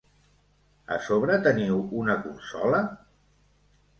A sobre teniu una consola?